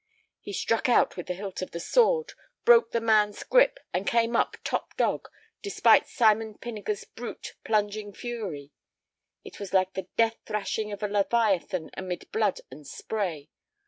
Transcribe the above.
He struck out with the hilt of the sword, broke the man's grip, and came up top dog despite Simon Pinniger's brute, plunging fury. It was like the death thrashing of a leviathan amid blood and spray.